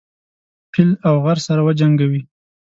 فيل او غر سره وجنګوي.